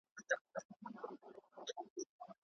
که حقوقپوهان نه وای سياسي قوانين به نه وای جوړ سوي.